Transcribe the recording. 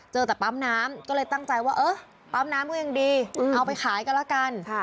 เจอแต่ปั๊มน้ำก็เลยตั้งใจว่าเออปั๊มน้ำก็ยังดีเอาไปขายกันละกัน